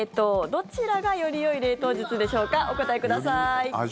どちらがよりよい冷凍術でしょうかお答えください。